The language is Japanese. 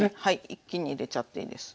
一気に入れちゃっていいです。